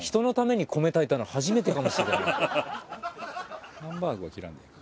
俺ハンバーグは切らんでええか。